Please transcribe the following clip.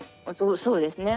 そうですね。